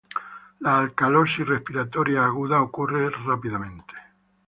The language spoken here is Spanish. La alcalosis respiratoria aguda ocurre rápidamente.